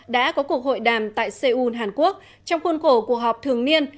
đã có cuộc hội đàm tại seoul hàn quốc trong khuôn khổ cuộc họp thường niên